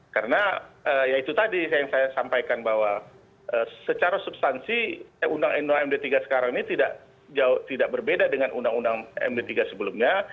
karena ya itu tadi yang saya sampaikan bahwa secara substansi undang undang md tiga sekarang ini tidak berbeda dengan undang undang md tiga sebelumnya